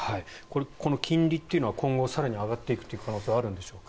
この金利というのは今後、更に上がっていく可能性はあるんでしょうか。